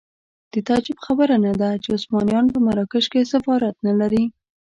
د تعجب خبره نه ده چې عثمانیان په مراکش کې سفارت نه لري.